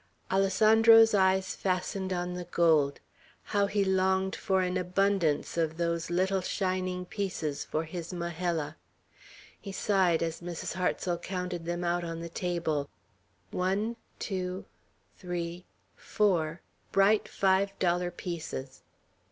Alessandro's eyes fastened on the gold. How he longed for an abundance of those little shining pieces for his Majella! He sighed as Mrs. Hartsel counted them out on the table, one, two, three, four, bright five dollar pieces.